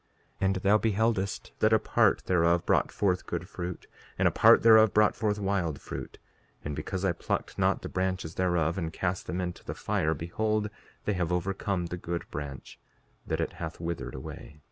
5:45 And thou beheldest that a part thereof brought forth good fruit, and a part thereof brought forth wild fruit; and because I plucked not the branches thereof and cast them into the fire, behold, they have overcome the good branch that it hath withered away.